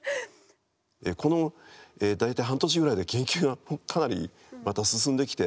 この大体半年ぐらいで研究がかなりまた進んできて。